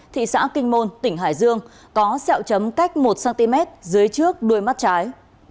thị xã kinh môn tỉnh hải dương có sẹo chấm cách một cm dưới trước đuôi mắt trái